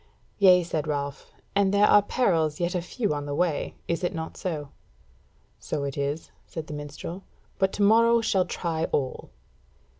"Yea," said Ralph, "and there are perils yet a few on the way, is it not so?" "So it is," said the minstrel; "but to morrow shall try all."